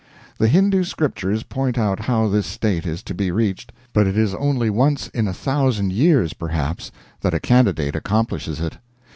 The Hindoo Scriptures point out how this state is to be reached, but it is only once in a thousand years, perhaps, that candidate accomplishes it.